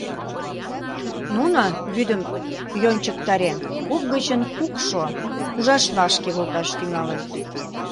Нуно, вӱдым йончыктарен, куп гычын кукшо, кужашлашке волташ тӱҥалыт.